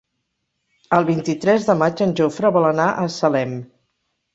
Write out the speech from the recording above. El vint-i-tres de maig en Jofre vol anar a Salem.